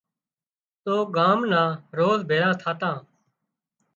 تو ڳان نان روز ڀيۯان ٿاتان